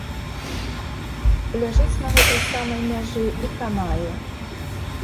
Ляжыць на гэтай самай мяжы і канае.